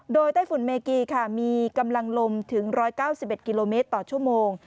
โดยไต้ฝุ่นเมกีค่ะมีกำลังลมถึง๑๙๑กิโลเมตรต่อชั่วโมง